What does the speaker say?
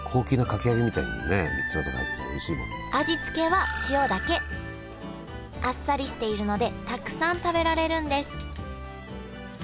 味付けはあっさりしているのでたくさん食べられるんです